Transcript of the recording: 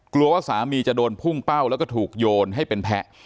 กลัวว่าสามีจะโดนพุ่งเป้าแล้วก็ถูกโยนให้เป็นแพะ